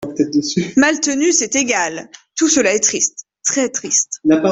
Maltenu C’est égal… tout cela est triste… très triste…